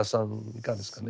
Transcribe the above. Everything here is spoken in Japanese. いかがですかね。